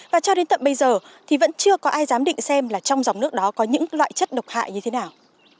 và cho đến tận bây giờ thì vẫn chưa có ai dám định xem là trong dòng nước đó có những loại chất độc hại như thế nào